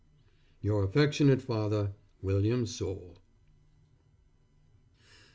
Your affectionate father, WILLIAM SOULE.